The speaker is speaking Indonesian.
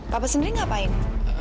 papa sendiri ngapain